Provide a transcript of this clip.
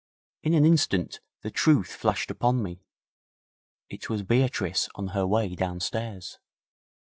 In an instant the truth flashed upon me. It was Beatrice on her way downstairs.